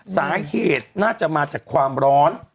สาเหตุน่าจะมาจากความร้อน